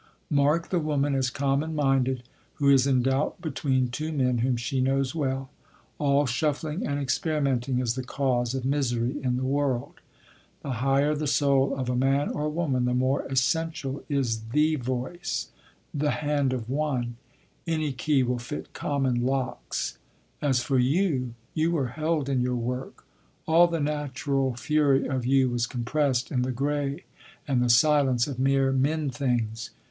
Mark the woman as common minded who is in doubt between two men whom she knows well. All shuffling and experimenting is the cause of misery in the world. The higher the soul of a man or woman, the more essential is the voice, the hand of one. Any key will fit common locks. As for you—you were held in your work. All the natural fury of you was compressed in the gray and the silence of mere men things.